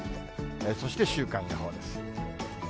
そして週間予報です。